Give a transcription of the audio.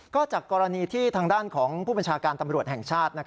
ก็จากกรณีที่ทางด้านของผู้บัญชาการตำรวจแห่งชาติ